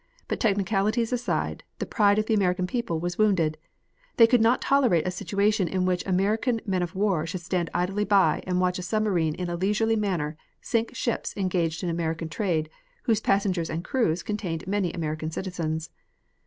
But, technicalities aside, the pride of the American people was wounded. They could not tolerate a situation in which American men of war should stand idly by and watch a submarine in a leisurely manner sink ships engaged in American trade whose passengers and crews contained many American citizens.